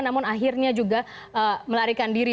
namun akhirnya juga melarikan diri